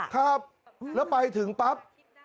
ครับแล้วไปถึงปั๊บ